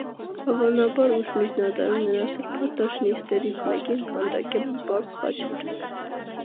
Հավանաբար ուշ միջնադարում նրա սրբատաշ նիստերից մեկին քանդակվել են պարզ խաչեր։